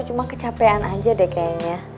cuma kecapean aja deh kayaknya